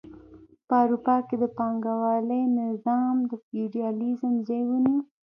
په اروپا کې د پانګوالۍ نظام د فیوډالیزم ځای ونیو.